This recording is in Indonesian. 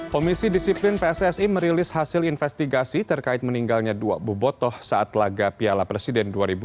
komisi disiplin pssi merilis hasil investigasi terkait meninggalnya dua bobotoh saat laga piala presiden dua ribu dua puluh